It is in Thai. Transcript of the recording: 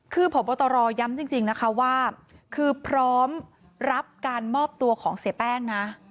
คือพบตรย้ำจริงนะคะว่าคือพร้อมรับการมอบตัวของเสียแป้งนะ